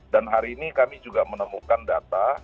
dan hari ini kami juga menemukan data